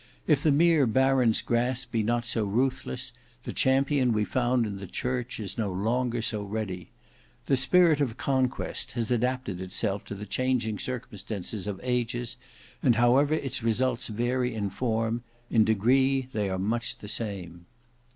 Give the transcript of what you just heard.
If the mere baron's grasp be not so ruthless, the champion we found in the church is no longer so ready. The spirit of Conquest has adapted itself to the changing circumstances of ages, and however its results vary in form, in degree they are much the same."